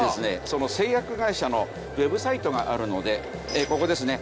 その製薬会社のＷｅｂサイトがあるのでここですね。